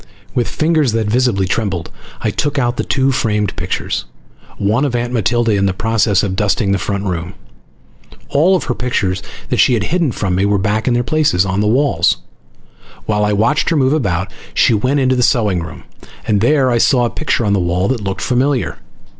With fingers that visibly trembled I took out the two framed pictures, one of Aunt Matilda in the process of dusting the front room. All of her pictures that she had hidden from me were back in their places on the walls. While I watched her move about, she went into the sewing room, and there I saw a picture on the wall that looked familiar.